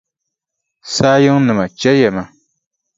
Saa yiŋnima chɛliya ma.